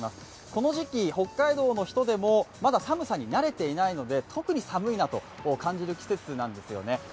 この時期、北海道の人でもまだ寒さに慣れていないので特に寒いなと感じる季節なんですよね。